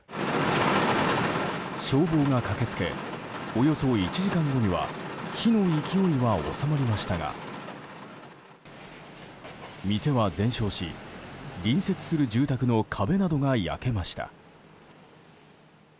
消防が駆け付けおよそ１時間後には火の勢いは収まりましたが店は全焼し隣接する住宅の壁などが焼けました。